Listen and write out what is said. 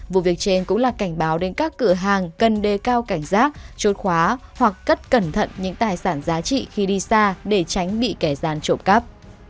vụ việc trên cũng là cảnh báo đến các cửa hàng cần đề cao cảnh giác trôi khóa hoặc cất cẩn thận những tài sản giá trị khi đi xa để tránh bị kẻ gian trộm cắp